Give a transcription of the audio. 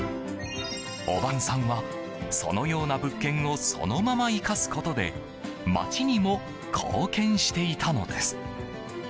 オバケンさんはそのような物件をそのまま生かすことで街にも貢献していたのです。